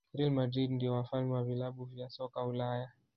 real madrid ndio wafalme wa vilabu vya soka ulaya